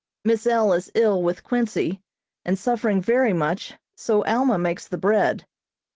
Miss L. is ill with quincy and suffering very much, so Alma makes the bread.